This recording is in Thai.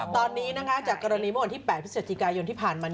ตอนนี้จากกรณีเมื่อวันที่๘พฤศจิกายนที่ผ่านมา